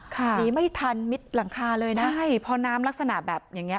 หนีไม่ทันมิดหลังคาเลยนะใช่พอน้ำลักษณะแบบอย่างเงี